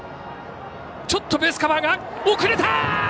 ちょっとベースカバーが遅れた！